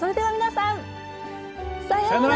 さようなら！